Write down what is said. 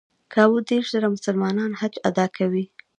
کابو دېرش زره مسلمانان حج ادا کوي.